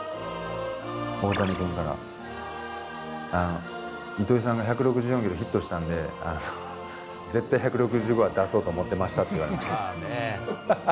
大谷君から、糸井さんが１６４キロ、ヒットしたんで、絶対１６５は出そうと思ってましたって言われました。